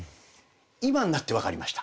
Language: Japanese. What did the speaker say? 今になって分かりました。